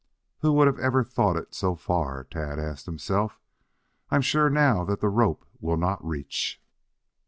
"Who would have ever thought it so far?" Tad asked himself. "I'm sure now that the rope will not reach."